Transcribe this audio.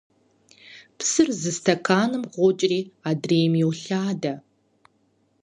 Псыр зы стэканым къокӀри адрейм йолъадэ.